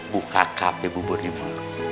buka kape buburnya dulu